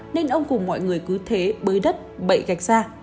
nên ông cùng mọi người cứ thế bưới đất bậy gạch ra